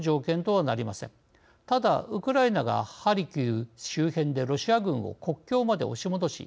ただウクライナがハルキウ周辺でロシア軍を国境まで押し戻し